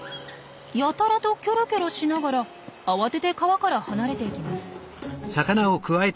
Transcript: やたらとキョロキョロしながら慌てて川から離れていきます。